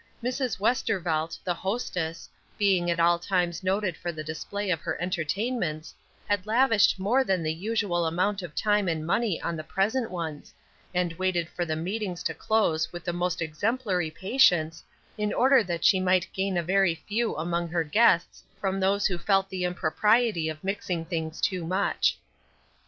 Mrs. Westervelt, the hostess, being at all times noted for the display of her entertainments, had lavished more than the usual amount of time and money on the present ones, and waited for the meetings to close with the most exemplary patience, in order that she might gain a very few among her guests from those who felt the impropriety of mixing things too much.